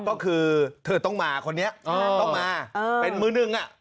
ก็คือเธอต้องมาคนนี้ต้องมาเป็นมือหนึ่ง